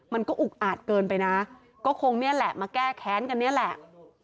มันก็อุกอาจเกินไปนะก็คงนี่แหละมาแก้แค้นกันนี่แหละ